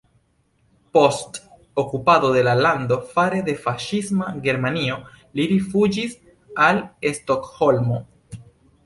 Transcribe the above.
Post okupado de la lando fare de faŝisma Germanio li rifuĝis al Stokholmo.